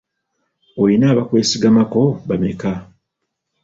Oyina abakwesigamako bameka?